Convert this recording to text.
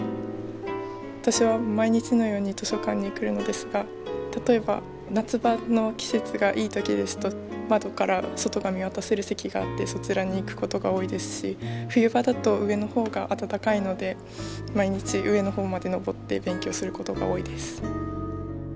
私は毎日のように図書館に来るのですが例えば夏場の季節がいい時ですと窓から外が見渡せる席があってそちらに行く事が多いですし冬場だと上の方が暖かいので毎日上の方まで上って勉強する事が多いです。